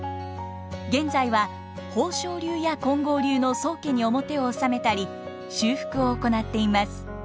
現在は宝生流や金剛流の宗家に面を納めたり修復を行っています。